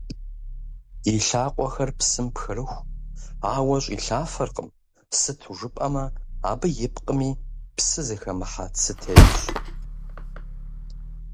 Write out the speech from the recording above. И лъакъуэхэр псым пхырыху, ауэ щӀилъафэркъым, сыту жыпӀэмэ, абы ипкъми, псы зыхэмыхьэ цы тетщ.